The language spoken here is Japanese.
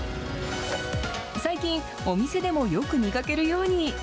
最近、お店でもよく見かけるように。